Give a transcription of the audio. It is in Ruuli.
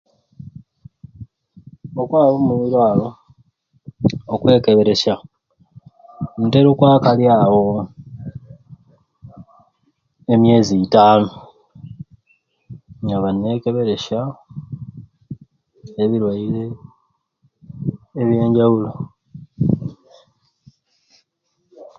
Okwaaba omwirwaro okwekeberesya ntera okwakalyawo emyezi itaanu ninyaba ninekeberesya ebirwaire ebyanjawulo.